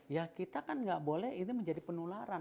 ya kita kan nggak boleh ini menjadi penularan